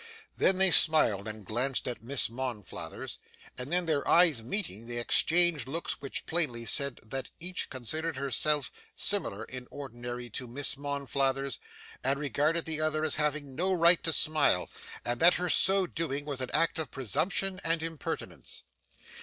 Then they smiled and glanced at Miss Monflathers, and then, their eyes meeting, they exchanged looks which plainly said that each considered herself smiler in ordinary to Miss Monflathers, and regarded the other as having no right to smile, and that her so doing was an act of presumption and impertinence.